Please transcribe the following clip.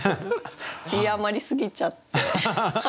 字余りすぎちゃって。